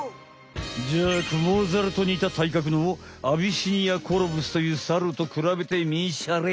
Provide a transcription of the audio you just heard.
じゃあクモザルとにたたいかくのアビシニアコロブスというサルとくらべてみんしゃれ。